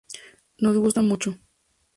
Nos gusta mucho.